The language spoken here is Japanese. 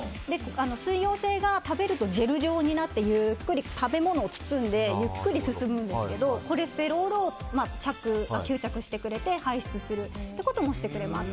水溶性が食べるとジェル状になってゆっくり食べ物を包んでゆっくり進むんですけどコレステロールを吸着してくれて排出するということもしてくれます。